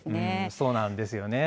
そうなんですよね。